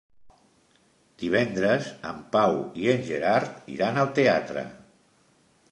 Divendres en Pau i en Gerard iran al teatre.